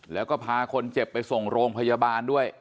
แล้วก็พาคนเจ็บไปส่งโรงพยาบาลด้วย